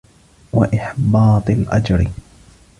وَإِحْبَاطِ الْأَجْرِ